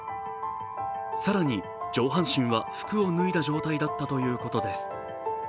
更に上半身は服を脱いだ状態だったということです。